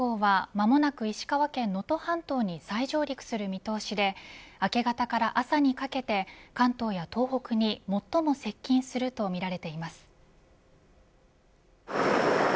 台風１４号は間もなく石川県の能登半島に再上陸する見通しで明け方から朝にかけて関東や東北に最も接近するとみられています。